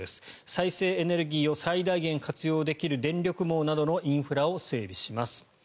再生エネルギーを最大限活用できる電力網などのインフラを整備します。